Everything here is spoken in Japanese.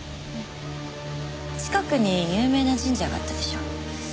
近くに有名な神社があったでしょ。